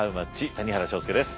谷原章介です。